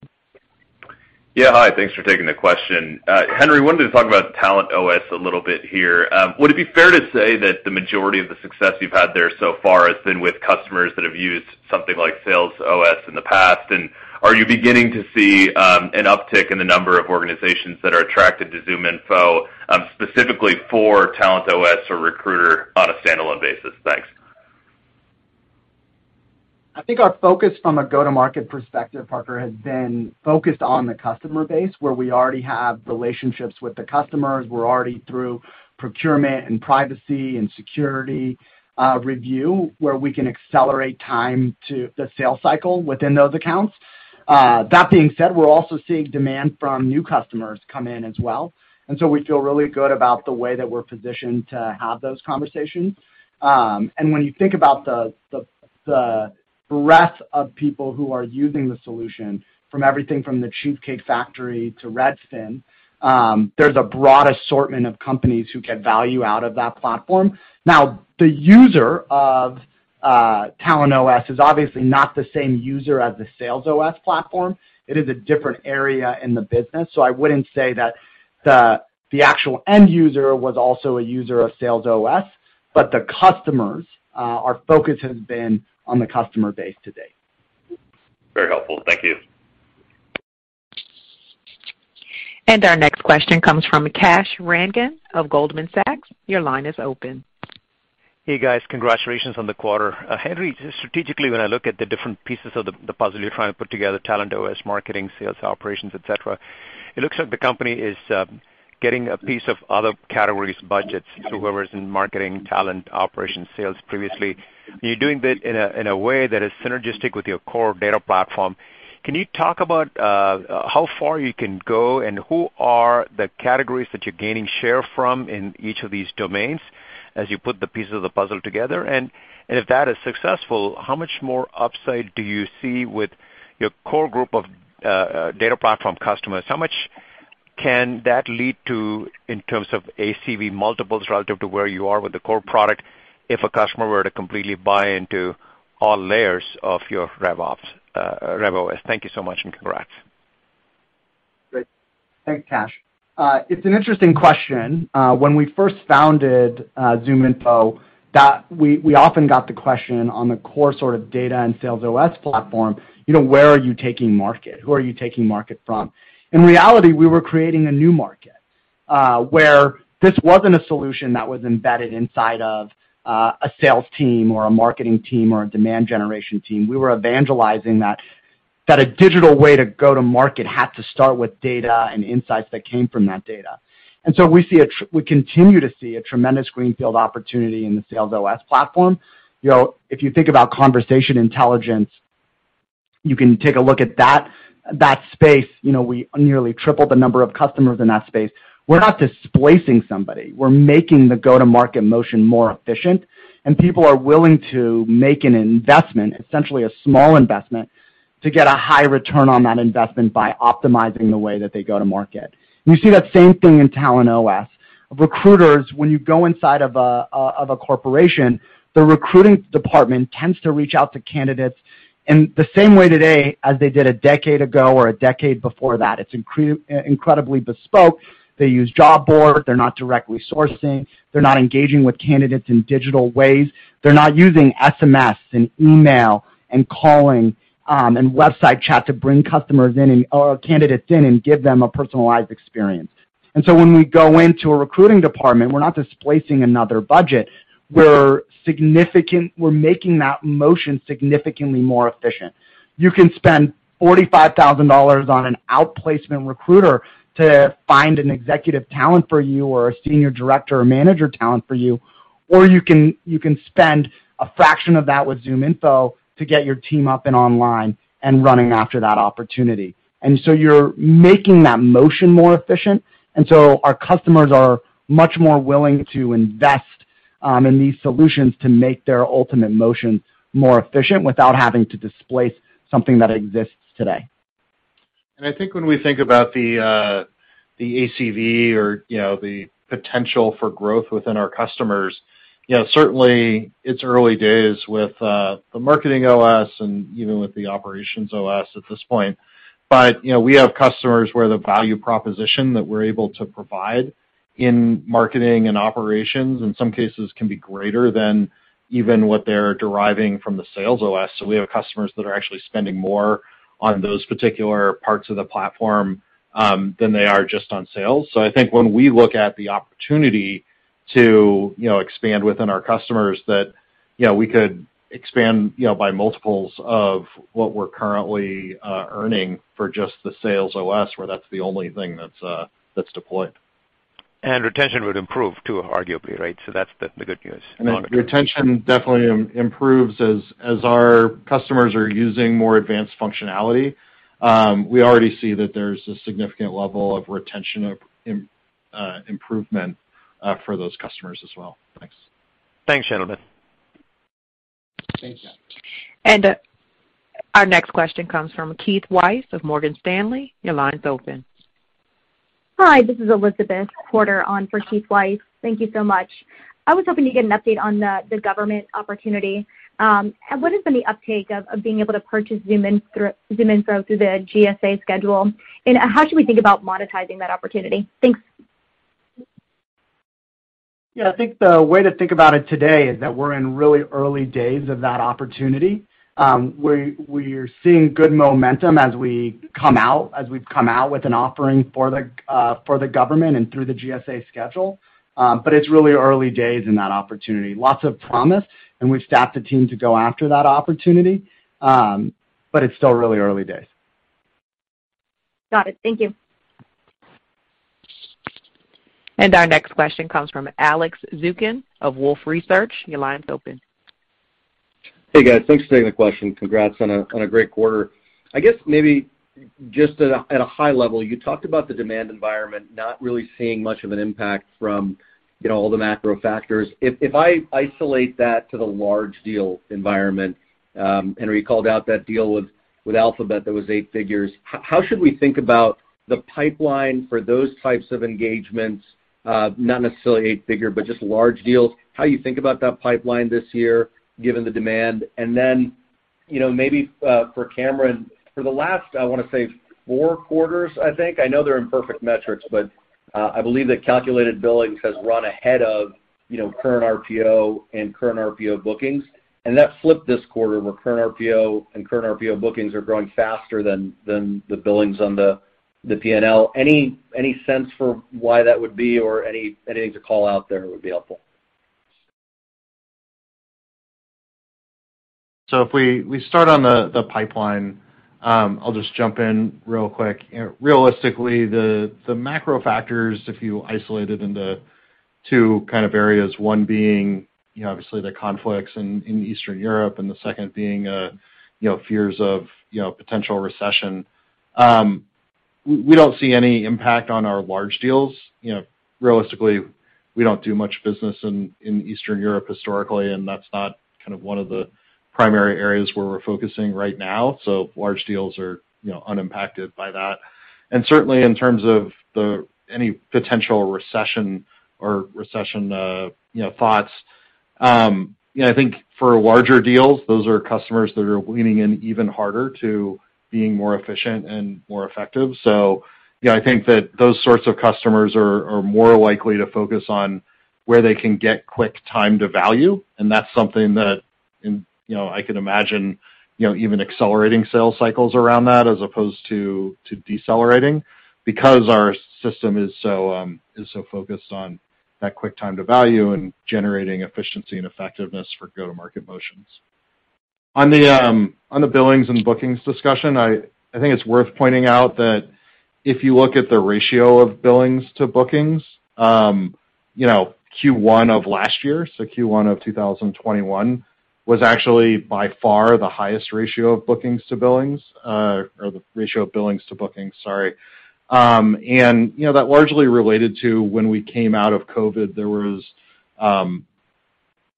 Yeah. Hi. Thanks for taking the question. Henry, wanted to talk about TalentOS a little bit here. Would it be fair to say that the majority of the success you've had there so far has been with customers that have used something like SalesOS in the past? Are you beginning to see an uptick in the number of organizations that are attracted to ZoomInfo specifically for TalentOS or RecruitingOS on a standalone basis? Thanks. I think our focus from a go-to-market perspective, Parker, has been focused on the customer base, where we already have relationships with the customers. We're already through procurement and privacy and security review, where we can accelerate time to the sales cycle within those accounts. That being said, we're also seeing demand from new customers come in as well, and so we feel really good about the way that we're positioned to have those conversations. When you think about the breadth of people who are using the solution, from everything from The Cheesecake Factory to Redfin, there's a broad assortment of companies who get value out of that platform. Now, the user of TalentOS is obviously not the same user as the SalesOS platform. It is a different area in the business, so I wouldn't say that the actual end user was also a user of SalesOS, but the customers, our focus has been on the customer base to date. Very helpful. Thank you. Our next question comes from Kash Rangan of Goldman Sachs. Your line is open. Hey, guys. Congratulations on the quarter. Henry, strategically, when I look at the different pieces of the puzzle you're trying to put together, TalentOS, marketing, sales, operations, et cetera, it looks like the company is getting a piece of other categories' budgets to whoever's in marketing, talent, operations, sales previously. You're doing that in a way that is synergistic with your core data platform. Can you talk about how far you can go and who are the categories that you're gaining share from in each of these domains as you put the pieces of the puzzle together? If that is successful, how much more upside do you see with your core group of data platform customers? How much can that lead to in terms of ACV multiples relative to where you are with the core product if a customer were to completely buy into all layers of your RevOS? Thank you so much and congrats. Great. Thanks, kash. It's an interesting question. When we first founded ZoomInfo, we often got the question on the core sort of data and SalesOS platform, you know, where are you taking market? Who are you taking market from? In reality, we were creating a new market, where this wasn't a solution that was embedded inside of a sales team or a marketing team or a demand generation team. We were evangelizing that a digital way to go to market had to start with data and insights that came from that data. We continue to see a tremendous greenfield opportunity in the SalesOS platform. You know, if you think about conversation intelligence, you can take a look at that space. You know, we nearly tripled the number of customers in that space. We're not displacing somebody. We're making the go-to-market motion more efficient, and people are willing to make an investment, essentially a small investment, to get a high return on that investment by optimizing the way that they go to market. You see that same thing in TalentOS. Recruiters, when you go inside of a corporation, the recruiting department tends to reach out to candidates in the same way today as they did a decade ago or a decade before that. It's incredibly bespoke. They use job boards. They're not direct resourcing. They're not engaging with candidates in digital ways. They're not using SMS and email and calling and website chat to bring customers in or candidates in and give them a personalized experience. When we go into a recruiting department, we're not displacing another budget. We're making that motion significantly more efficient. You can spend $45,000 on an outplacement recruiter to find executive talent for you or a senior director or manager talent for you. You can spend a fraction of that with ZoomInfo to get your team up and online and running after that opportunity. You're making that motion more efficient. Our customers are much more willing to invest in these solutions to make their ultimate motion more efficient without having to displace something that exists today. I think when we think about the ACV or, you know, the potential for growth within our customers, you know, certainly it's early days with the MarketingOS and even with the OperationsOS at this point. We have customers where the value proposition that we're able to provide in marketing and operations, in some cases, can be greater than even what they're deriving from the SalesOS. We have customers that are actually spending more on those particular parts of the platform than they are just on sales. I think when we look at the opportunity to, you know, expand within our customers that, you know, we could expand, you know, by multiples of what we're currently earning for just the SalesOS, where that's the only thing that's deployed. Retention would improve too, arguably, right? That's the good news. Retention definitely improves as our customers are using more advanced functionality. We already see that there's a significant level of retention improvement for those customers as well. Thanks. Thanks, gentlemen. Thanks. Our next question comes from Keith Weiss of Morgan Stanley. Your line's open. Hi, this is Elizabeth Porter on for Keith Weiss. Thank you so much. I was hoping to get an update on the government opportunity. What has been the uptake of being able to purchase ZoomInfo through the GSA schedule? How should we think about monetizing that opportunity? Thanks. Yeah. I think the way to think about it today is that we're in really early days of that opportunity. We're seeing good momentum as we've come out with an offering for the government and through the GSA schedule. It's really early days in that opportunity. Lots of promise, and we've staffed a team to go after that opportunity, but it's still really early days. Got it. Thank you. Our next question comes from Alex Zukin of Wolfe Research. Your line's open. Hey, guys. Thanks for taking the question. Congrats on a great quarter. I guess maybe just at a high level, you talked about the demand environment not really seeing much of an impact from, you know, all the macro factors. If I isolate that to the large deal environment, Henry called out that deal with Alphabet that was eight figures. How should we think about the pipeline for those types of engagements? Not necessarily eight-figure, but just large deals. How you think about that pipeline this year given the demand? You know, maybe for Cameron, for the last, I wanna say four quarters, I think, I know they're imperfect metrics, but I believe that calculated billings has run ahead of, you know, current RPO and current RPO bookings. That flipped this quarter where current RPO bookings are growing faster than the billings on the P&L. Any sense for why that would be or anything to call out there would be helpful. If we start on the pipeline, I'll just jump in real quick. Realistically, the macro factors, if you isolate it into two kind of areas, one being, you know, obviously the conflicts in Eastern Europe, and the second being, you know, fears of, you know, potential recession. We don't see any impact on our large deals. You know, realistically, we don't do much business in Eastern Europe historically, and that's not kind of one of the primary areas where we're focusing right now, so large deals are, you know, unimpacted by that. Certainly in terms of any potential recession, you know, thoughts, you know, I think for larger deals, those are customers that are leaning in even harder to being more efficient and more effective. You know, I think that those sorts of customers are more likely to focus on where they can get quick time to value, and that's something that, you know, I can imagine, you know, even accelerating sales cycles around that as opposed to decelerating because our system is so focused on that quick time to value and generating efficiency and effectiveness for go-to-market motions. On the billings and bookings discussion, I think it's worth pointing out that if you look at the ratio of billings to bookings, you know, Q1 of last year, so Q1 of 2021, was actually by far the highest ratio of bookings to billings, or the ratio of billings to bookings, sorry. You know, that largely related to when we came out of COVID. There was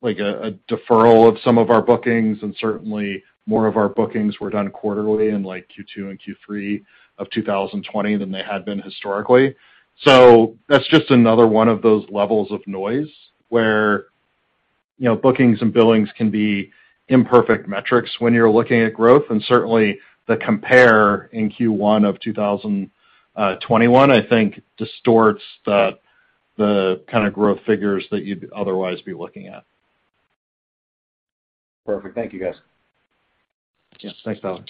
like a deferral of some of our bookings, and certainly more of our bookings were done quarterly in like Q2 and Q3 of 2020 than they had been historically. So that's just another one of those levels of noise where, you know, bookings and billings can be imperfect metrics when you're looking at growth. Certainly the compare in Q1 of 2021, I think distorts the kinda growth figures that you'd otherwise be looking at. Perfect. Thank you, guys. Yeah. Thanks, Alex.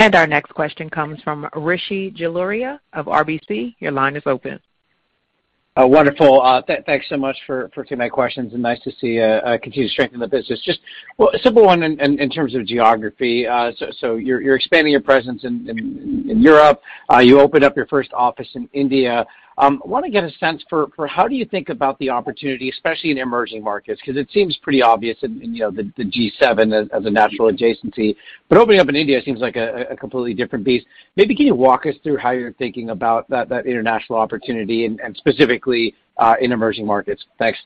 Our next question comes from Rishi Jaluria of RBC. Your line is open. Wonderful. Thanks so much for taking my questions, and nice to see continued strength in the business. Just a simple one in terms of geography. So you're expanding your presence in Europe. You opened up your first office in India. Wanna get a sense for how you think about the opportunity, especially in emerging markets? 'Cause it seems pretty obvious in you know the G7 as a natural adjacency, but opening up in India seems like a completely different beast. Maybe can you walk us through how you're thinking about that international opportunity and specifically in emerging markets? Thanks.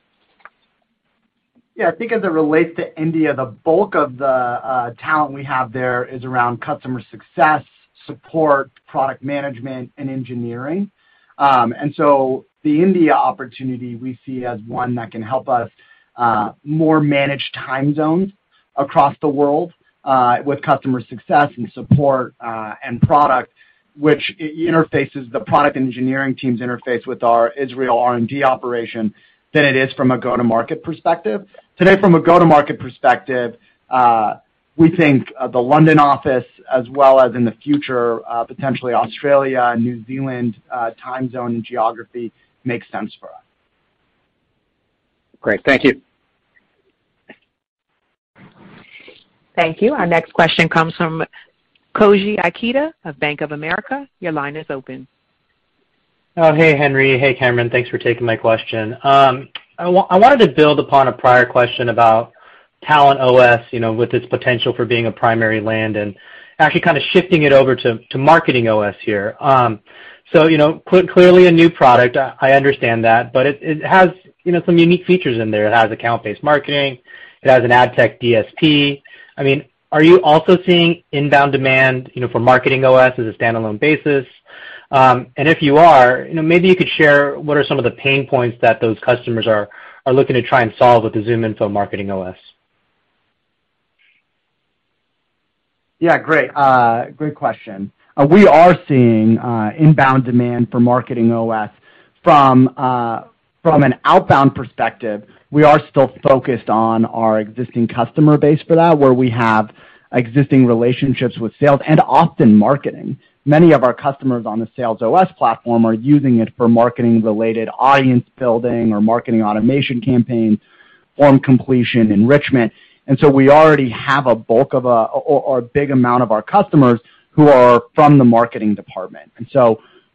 Yeah. I think as it relates to India, the bulk of the talent we have there is around customer success, support, product management, and engineering. The India opportunity we see as one that can help us more manage time zones across the world with customer success and support, and product, which the product engineering teams interface with our Israel R&D operation than it is from a go-to-market perspective. Today, from a go-to-market perspective, we think the London office as well as in the future potentially Australia, New Zealand time zone and geography makes sense for us. Great. Thank you. Thank you. Our next question comes from Koji Ikeda of Bank of America. Your line is open. Oh, hey, Henry. Hey, Cameron. Thanks for taking my question. I wanted to build upon a prior question about TalentOS, you know, with its potential for being a primary land, and actually kinda shifting it over to MarketingOS here. You know, clearly a new product, I understand that, but it has, you know, some unique features in there. It has account-based marketing. It has an ad tech DSP. I mean, are you also seeing inbound demand, you know, for MarketingOS as a standalone basis? If you are, you know, maybe you could share what are some of the pain points that those customers are looking to try and solve with the ZoomInfo MarketingOS. Yeah. Great. Great question. We are seeing inbound demand for MarketingOS. From an outbound perspective, we are still focused on our existing customer base for that, where we have existing relationships with sales and often marketing. Many of our customers on the SalesOS platform are using it for marketing-related audience building or marketing automation campaigns, form completion, enrichment. We already have a bulk or a big amount of our customers who are from the marketing department.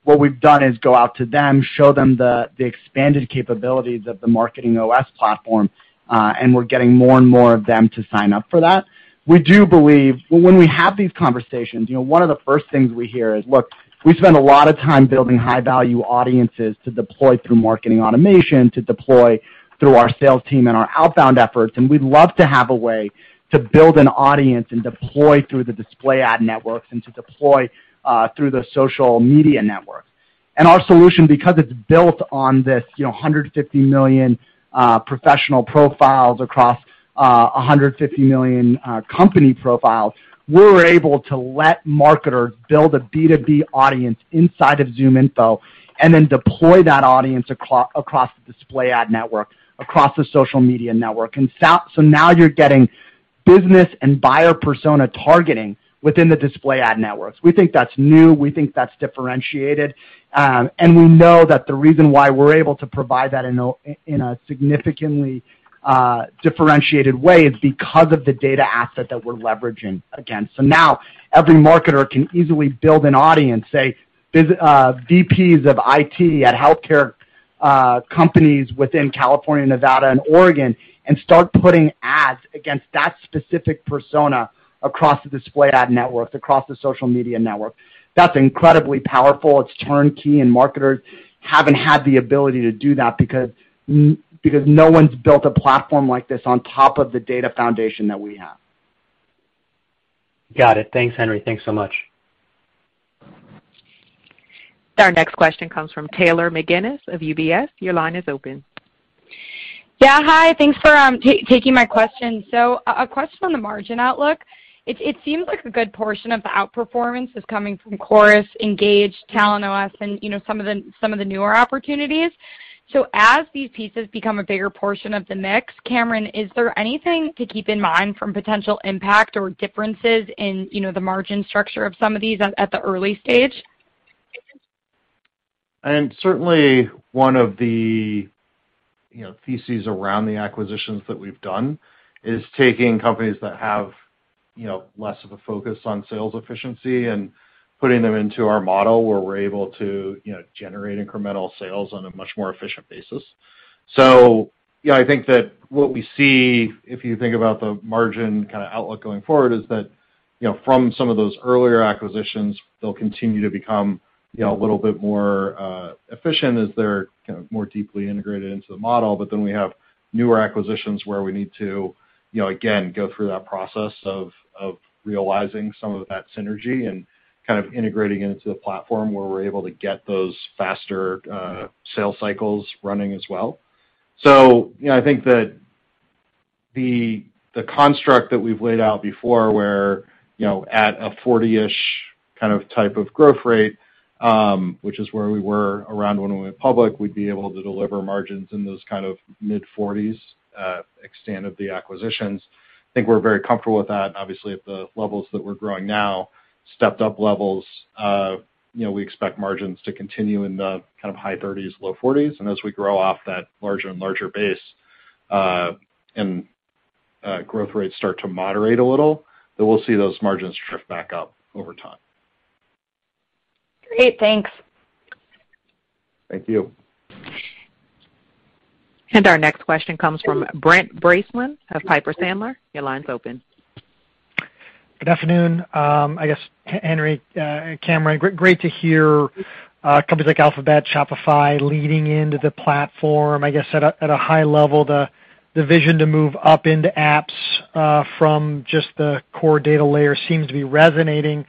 What we've done is go out to them, show them the expanded capabilities of the MarketingOS platform, and we're getting more and more of them to sign up for that. We do believe. When we have these conversations, you know, one of the first things we hear is, "Look, we spend a lot of time building high-value audiences to deploy through marketing automation, to deploy through our sales team and our outbound efforts, and we'd love to have a way to build an audience and deploy through the display ad networks and to deploy through the social media networks." Our solution, because it's built on this, you know, 150 million professional profiles across 150 million company profiles, we're able to let marketers build a B2B audience inside of ZoomInfo and then deploy that audience across the display ad network, across the social media network. So now you're getting business and buyer persona targeting within the display ad networks. We think that's new. We think that's differentiated. We know that the reason why we're able to provide that in a significantly differentiated way is because of the data asset that we're leveraging against. Now every marketer can easily build an audience, say, VPs of IT at healthcare companies within California, Nevada, and Oregon, and start putting ads against that specific persona across the display ad networks, across the social media network. That's incredibly powerful. It's turnkey, and marketers haven't had the ability to do that because no one's built a platform like this on top of the data foundation that we have. Got it. Thanks, Henry. Thanks so much. Our next question comes from Taylor McGinnis of UBS. Your line is open. Yeah. Hi. Thanks for taking my question. A question on the margin outlook. It seems like a good portion of the outperformance is coming from Chorus, Engage, TalentOS, and, you know, some of the newer opportunities. As these pieces become a bigger portion of the mix, Cameron, is there anything to keep in mind from potential impact or differences in, you know, the margin structure of some of these at the early stage? Certainly one of the, you know, theses around the acquisitions that we've done is taking companies that have, you know, less of a focus on sales efficiency and putting them into our model where we're able to, you know, generate incremental sales on a much more efficient basis. So yeah, I think that what we see, if you think about the margin kinda outlook going forward, is that, you know, from some of those earlier acquisitions, they'll continue to become, you know, a little bit more efficient as they're, you know, more deeply integrated into the model. But then we have newer acquisitions where we need to, you know, again, go through that process of realizing some of that synergy and kind of integrating it into the platform where we're able to get those faster sales cycles running as well. You know, I think that the construct that we've laid out before where, you know, at a 40-ish kind of type of growth rate, which is where we were around when we went public, we'd be able to deliver margins in those kind of mid-40s, absent the acquisitions. I think we're very comfortable with that. Obviously, at the levels that we're growing now, stepped up levels, you know, we expect margins to continue in the kind of high 30s, low 40s. As we grow off that larger and larger base, and growth rates start to moderate a little, then we'll see those margins drift back up over time. Great. Thanks. Thank you. Our next question comes from Brent Bracelin of Piper Sandler. Your line's open. Good afternoon. I guess, Henry, Cameron, great to hear companies like Alphabet, Shopify leading into the platform, I guess, at a high level. The vision to move up into apps from just the core data layer seems to be resonating.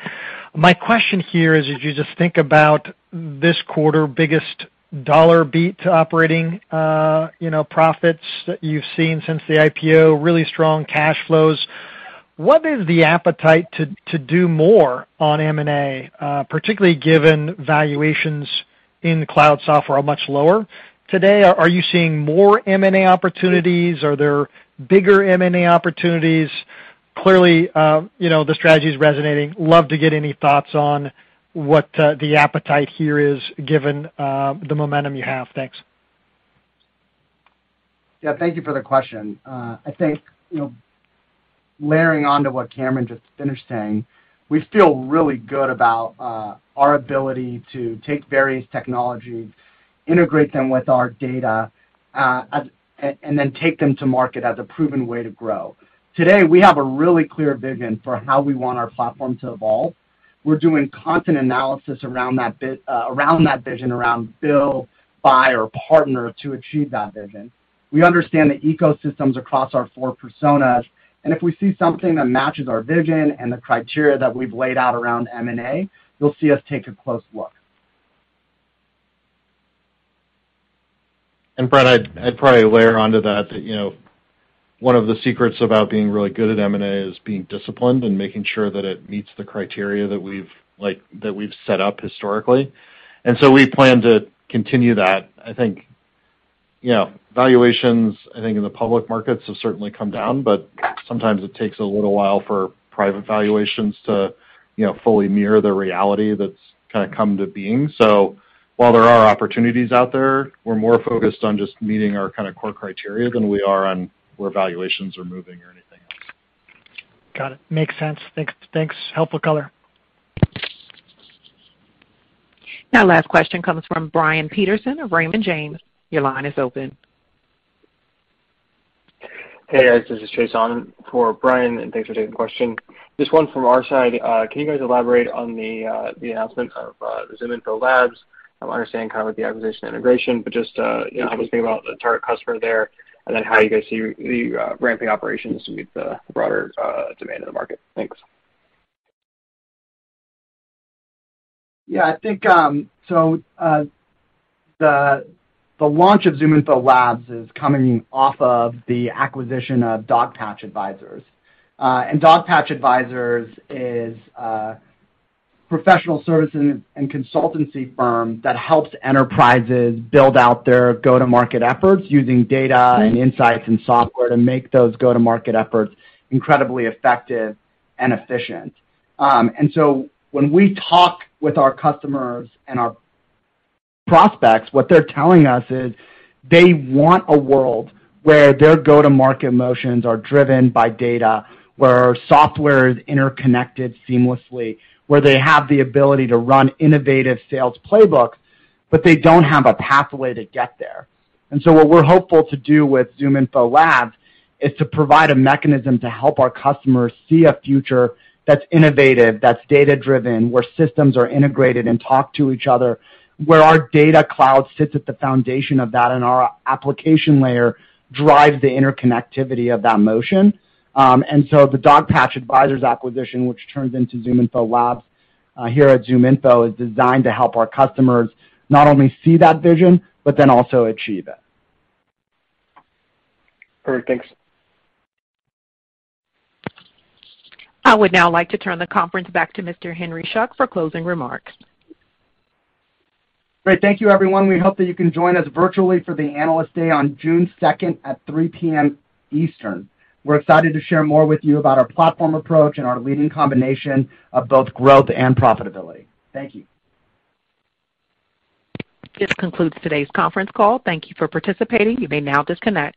My question here is, if you just think about this quarter, biggest dollar beat operating, you know, profits that you've seen since the IPO, really strong cash flows. What is the appetite to do more on M&A, particularly given valuations in cloud software are much lower today? Are you seeing more M&A opportunities? Are there bigger M&A opportunities? Clearly, you know, the strategy is resonating. Love to get any thoughts on what the appetite here is given the momentum you have. Thanks. Yeah, thank you for the question. I think, you know, layering on to what Cameron just finished saying, we feel really good about our ability to take various technologies, integrate them with our data, and then take them to market as a proven way to grow. Today, we have a really clear vision for how we want our platform to evolve. We're doing content analysis around that vision, around build, buy or partner to achieve that vision. We understand the ecosystems across our four personas, and if we see something that matches our vision and the criteria that we've laid out around M&A, you'll see us take a close look. Brent, I'd probably layer onto that you know, one of the secrets about being really good at M&A is being disciplined and making sure that it meets the criteria that we've set up historically. We plan to continue that. I think, you know, valuations, I think in the public markets have certainly come down, but sometimes it takes a little while for private valuations to, you know, fully mirror the reality that's kinda come to being. While there are opportunities out there, we're more focused on just meeting our kinda core criteria than we are on where valuations are moving or anything else. Got it. Makes sense. Thanks. Helpful color. Now last question comes from Brian Peterson of Raymond James. Your line is open. Hey, guys, this is Chase on for Brian, and thanks for taking the question. Just one from our side. Can you guys elaborate on the announcement of the ZoomInfo Labs? I understand kind of like the acquisition integration, but just, you know, I'm just thinking about the target customer there and then how you guys see the ramping operations to meet the broader demand in the market. Thanks. I think the launch of ZoomInfo Labs is coming off of the acquisition of Dogpatch Advisors. Dogpatch Advisors is a professional services and consultancy firm that helps enterprises build out their go-to-market efforts using data and insights and software to make those go-to-market efforts incredibly effective and efficient. When we talk with our customers and our prospects, what they're telling us is they want a world where their go-to-market motions are driven by data, where software is interconnected seamlessly, where they have the ability to run innovative sales playbooks, but they don't have a pathway to get there. What we're hopeful to do with ZoomInfo Labs is to provide a mechanism to help our customers see a future that's innovative, that's data-driven, where systems are integrated and talk to each other, where our data cloud sits at the foundation of that, and our application layer drives the interconnectivity of that motion. The Dogpatch Advisors acquisition, which turns into ZoomInfo Labs, here at ZoomInfo, is designed to help our customers not only see that vision but then also achieve it. Perfect. Thanks. I would now like to turn the conference back to Mr. Henry Schuck for closing remarks. Great. Thank you, everyone. We hope that you can join us virtually for the Analyst Day on June second at 3:00 P.M. Eastern. We're excited to share more with you about our platform approach and our leading combination of both growth and profitability. Thank you. This concludes today's conference call. Thank you for participating. You may now disconnect.